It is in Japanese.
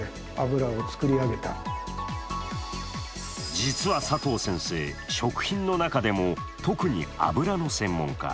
実は佐藤先生、食品の中でも特に油の専門家。